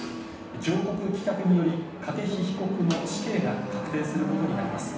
上告棄却により、筧被告の死刑が確定することになります。